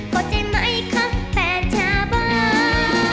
เข้าใจไหมครับแฟนชาวบ้าน